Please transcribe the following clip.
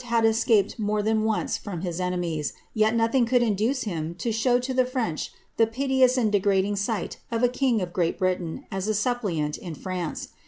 had escaped more than once from his enemies, yet nothing could induce him to show to the French the piteous and de grading sight of a king of Great Britain as a suppliant in France.